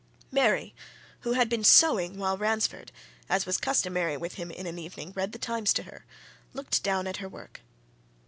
Mary, who had been sewing while Ransford, as was customary with him in an evening, read the Times to her, looked down at her work.